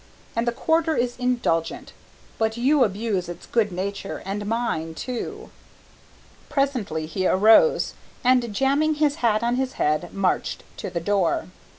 and the Quarter is indulgent, but you abuse its good nature and mine too!" Presently he arose, and jamming his hat on his head, marched to the door.